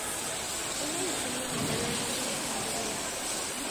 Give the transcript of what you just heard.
Una edición limitada y una edición regular.